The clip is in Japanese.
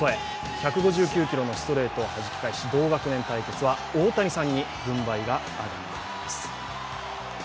１５９キロのストレートをはじき返し同学年対決は大谷さんに軍配が上がります。